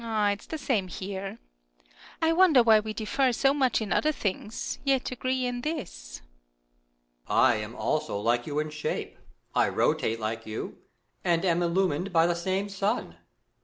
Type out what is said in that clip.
It is tlie same here. I wonder why we differ so much in other things, yet agree in this. Moon. I am also like you in shape, I rotate like you, and am illumined by the same sun.